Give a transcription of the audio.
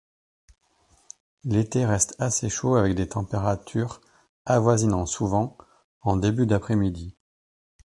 L'été reste assez chaud avec des températures avoisinant souvent en début d'après-midi.